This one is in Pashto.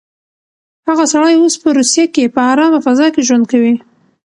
هغه سړی اوس په روسيه کې په ارامه فضا کې ژوند کوي.